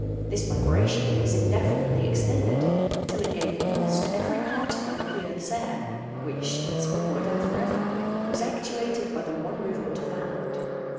This vibration was indefinitely extended, till it gave impulse to every particle of the earth's air, which thenceforward, and for ever, was actuated by the one movement of the hand.